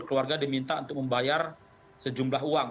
keluarga diminta untuk membayar sejumlah uang